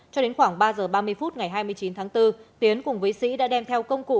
cho đến khoảng ba giờ ba mươi phút ngày hai mươi chín tháng bốn tiến cùng với sĩ đã đem theo công cụ